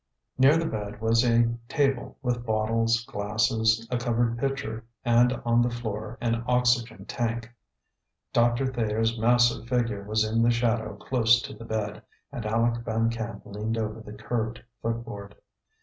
Near the bed was a table with bottles, glasses, a covered pitcher, and on the floor an oxygen tank. Doctor Thayer's massive figure was in the shadow close to the bed, and Aleck Van Camp leaned over the curved footboard.